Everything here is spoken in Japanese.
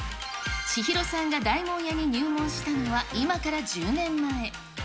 千尋さんが大門屋に入門したのは、今から１０年前。